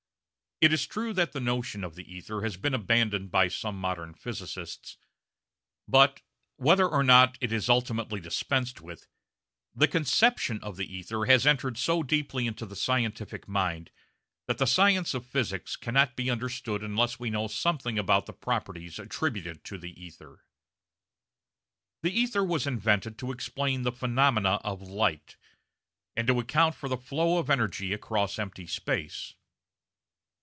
It is true that the notion of the ether has been abandoned by some modern physicists, but, whether or not it is ultimately dispensed with, the conception of the ether has entered so deeply into the scientific mind that the science of physics cannot be understood unless we know something about the properties attributed to the ether. The ether was invented to explain the phenomena of light, and to account for the flow of energy across empty space.